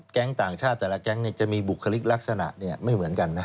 แก๊งต่างชาติแต่ละแก๊งเนี่ยจะมีบุคลิกลักษณะเนี่ยไม่เหมือนกันนะ